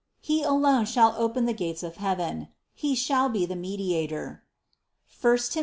He alone shall open the gates of heaven; He shall be the Mediator (I Tim.